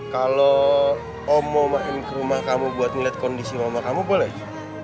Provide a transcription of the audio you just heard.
kalau om mau main ke rumah kamu buat ngelihat kondisi mama kamu boleh